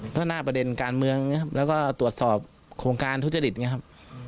เพื่อหน้าประเด็นการเมืองนะครับแล้วก็ตรวจสอบโครงการทุจริตไงครับ